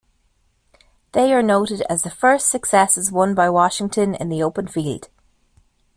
They are noted as the first successes won by Washington in the open field.